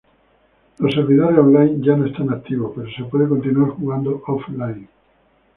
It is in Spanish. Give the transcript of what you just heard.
Los servidores online ya no están activos, pero se puede continuar jugando offline.